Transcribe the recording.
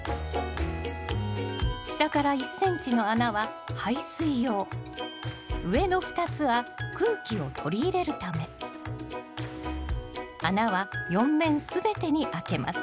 下から１ｃｍの穴は排水用上の２つは空気を取り入れるため穴は４面全てにあけます。